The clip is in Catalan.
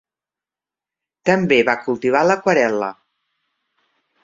També va cultivar l'aquarel·la.